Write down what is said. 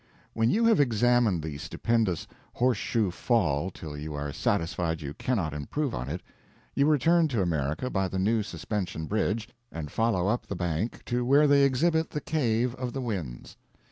When you have examined the stupendous Horseshoe Fall till you are satisfied you cannot improve on it, you return to America by the new Suspension Bridge, and follow up the bank to where they exhibit the Cave of the Winds.